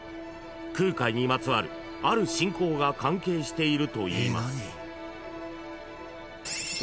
［空海にまつわるある信仰が関係しているといいます］